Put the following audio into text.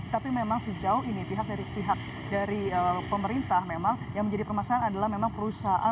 tapi memang sejauh ini pihak dari pihak dari pemerintah memang yang menjadi permasalahan adalah memang perusahaan